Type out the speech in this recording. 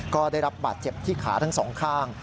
ก็ได้รับบาดเจ็บที่ขาทั้งสองข้าง